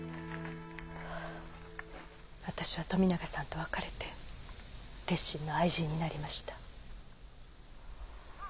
私は富永さんと別れて鉄心の愛人になりました。